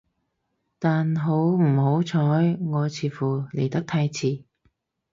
但好唔好彩，我似乎嚟得太遲